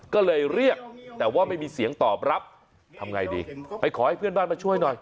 ก็เลยเรียกแต่ว่าไม่มีเสียงตอบรับทำไงดีไปขอให้เพื่อนบ้านมาช่วยหน่อย